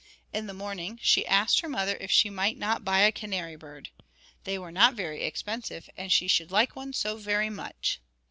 In the morning she asked her mother if she might not buy a canary bird. They were not very expensive, and she should like one so very much.'